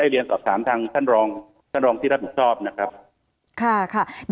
ให้เรียนสอบถามทางท่านรองที่รับผิดชอบ